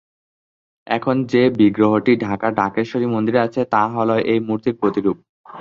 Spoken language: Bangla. এখন যে বিগ্রহটি ঢাকার ঢাকেশ্বরী মন্দিরে আছে তা হলো এই মূর্তির প্রতিরূপ।